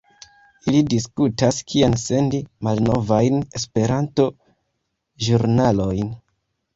Ili diskutas kien sendi malnovajn Esperanto-ĵurnalojn